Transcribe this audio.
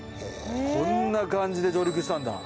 こんな感じで上陸したんだ。